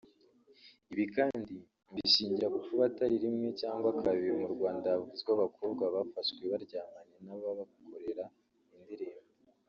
Ibi kandi mbishingira ku kuba atari rimwe cyangwa kabiri mu Rwanda havuzwe abakobwa bafashwe baryamanye n’ababakorera indirimbo